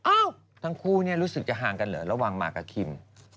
อ้าวทั้งคู่รู้สึกจะห่างกันหรือระวังมากกับคิม